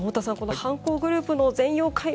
犯行グループの全容解明